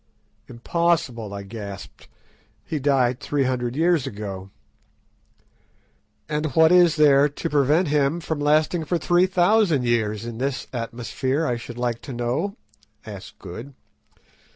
"Impossible," I gasped; "he died three hundred years ago." "And what is there to prevent him from lasting for three thousand years in this atmosphere, I should like to know?" asked Good.